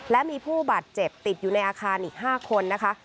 และมีผู้บาดเจ็บติดอยู่ในอาคารอีก๕คนนะคะ